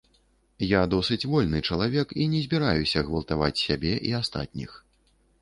Я досыць вольны чалавек і не збіраюся гвалтаваць сябе і астатніх.